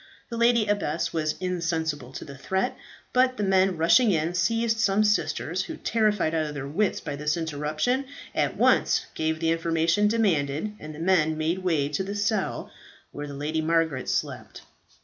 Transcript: The lady abbess was insensible to the threat; but the men rushing in, seized some sisters, who, terrified out of their wits by this irruption, at once gave the information demanded, and the men made their way to the cell where the Lady Margaret slept.